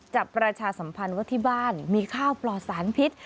ประชาสัมพันธ์ว่าที่บ้านมีข้าวปลอดสารพิษ